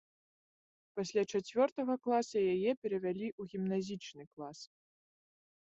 Пасля чацвёртага класа яе перавялі ў гімназічны клас.